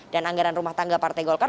dan anggaran rumah tangga partai golkar